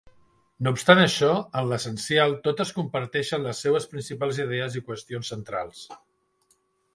No obstant això, en l'essencial totes compartixen les seues principals idees i qüestions centrals.